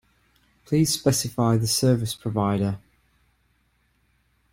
Please specify the service provider.